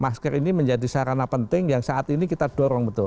masker ini menjadi sarana penting yang saat ini kita dorong betul